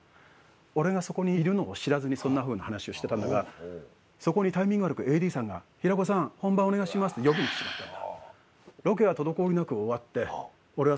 俺がそこにいるのを知らずにそんなふうな話をしてたんだがそこにタイミング悪くＡＤさんが「平子さん本番お願いします」って呼びに来ちまったんだ